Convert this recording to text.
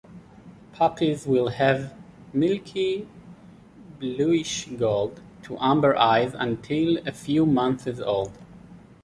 Puppies will have milky bluish-gold to amber eyes until a few months old.